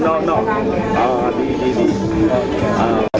พระเจ้าข้าว